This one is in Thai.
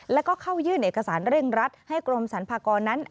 แล้วก็เข้ายื่นเอกสารเร่งรัดให้กรมสรรพากรนั้น